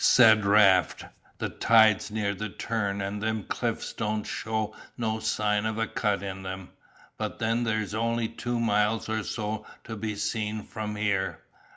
Said Raft: "The tide's near the turn and them cliffs don't shew no sign of a cut in them, but then there's only two miles or so to be seen from here.